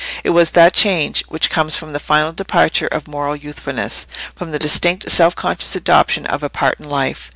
It was that change which comes from the final departure of moral youthfulness—from the distinct self conscious adoption of a part in life.